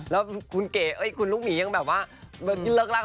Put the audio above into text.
แล้วคุณลูกหมียังแบบว่าลึกลักอะ